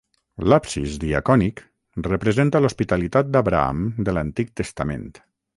L'absis diacònic representa l'Hospitalitat d'Abraham de l'antic Testament.